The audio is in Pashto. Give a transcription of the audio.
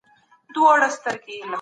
که تاسي وخت ضايع کړئ، هدف ته نه رسېږئ.